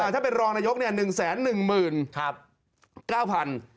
ถ้าเป็นรองนายก๑๑๙๐๐บาท